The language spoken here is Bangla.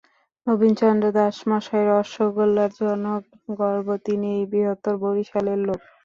নবীন চন্দ্র দাস মসাই রশগোলার জনক, গর্ব তিনি এই বৃহত্তর বরিশালের লোক।